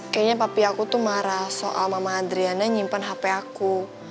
kayaknya papi aku tuh marah soal mama adriana nyimpan hp aku